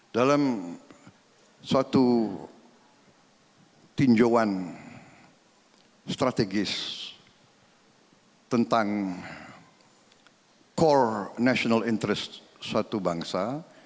dalam suatu tinjauan strategis tentang core national interest suatu bangsa